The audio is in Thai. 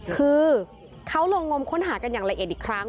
คือเขาลงงมค้นหากันอย่างละเอียดอีกครั้ง